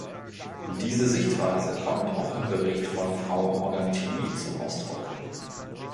Diese Sichtweise kommt auch im Bericht von Frau Morgantini zum Ausdruck.